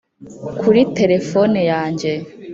kuri terefone yanjye.